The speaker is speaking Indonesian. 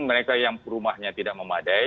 mereka yang rumahnya tidak memadai